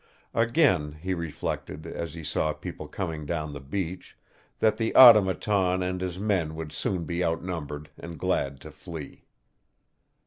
Again, he reflected, as he saw people coming down the beach, that the Automaton and his men would soon be outnumbered and glad to flee.